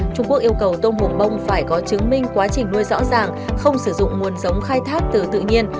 trung quốc yêu cầu tôm hùm bông phải có chứng minh quá trình nuôi rõ ràng không sử dụng nguồn giống khai thác từ tự nhiên